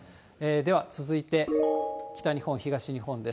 では、続いて北日本、東日本です。